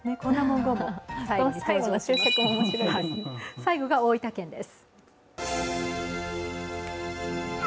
最後が大分県です。